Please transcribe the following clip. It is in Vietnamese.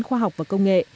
khoa học và công nghệ